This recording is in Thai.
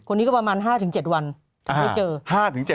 นี้ก็ประมาณ๕๗วันไม่เจอ